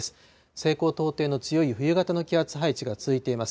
西高東低の強い冬型の気圧配置が続いています。